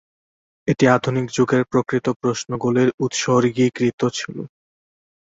এটি আধুনিক যুগের প্রকৃত প্রশ্নগুলির উৎসর্গীকৃত ছিল।